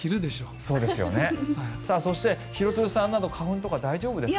そして廣津留さんは花粉とか大丈夫ですか？